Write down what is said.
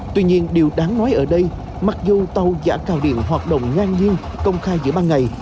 tuy nhiên điều đáng nói ở đây mặc dù tàu giã cào điện hoạt động ngang nhiên công khai giữa ban ngày